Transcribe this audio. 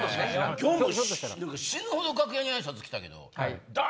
今日も死ぬほど楽屋にあいさつ来たけど。